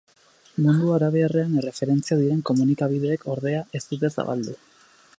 Mundu arabiarrean erreferentzia diren komunikabideek, ordea, ez dute zabaldu.